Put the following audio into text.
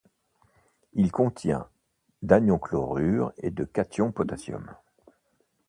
Il contient d'anions chlorure et de cations potassium.